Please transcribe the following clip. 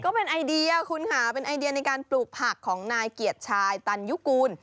ก็เป็นไอเดียคุณค่ะเป็นไอเดียในการปลูกผักของนายเกียรติชายตันยุกูล